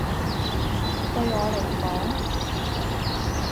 對我嚟講